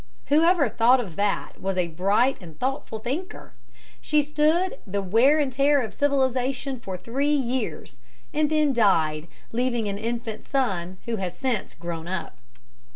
Whoever thought of that was a bright and thoughtful thinker. She stood the wear and tear of civilization for three years, and then died, leaving an infant son, who has since grown up.